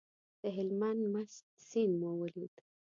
د هلمند مست سیند مو ولید.